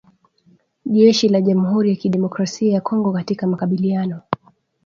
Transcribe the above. jeshi la jamhuri ya kidemokrasia ya Kongo katika makabiliano